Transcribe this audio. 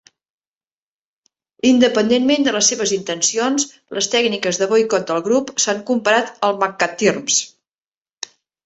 Independentment de les seves intencions, les tècniques de boicot del grup s'han comparat al McCarthyism.